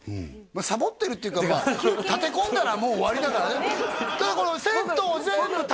サボってるっていうか休憩建て込んだらもう終わりだからね